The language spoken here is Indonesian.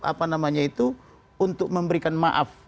apa namanya itu untuk memberikan maaf